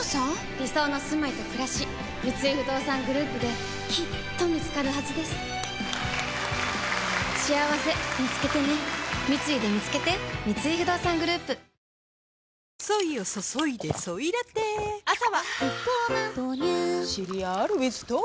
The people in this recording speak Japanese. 理想のすまいとくらし三井不動産グループできっと見つかるはずですしあわせみつけてね三井でみつけてソイを注いでソイラテゴクゴク朝は！